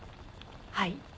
はい。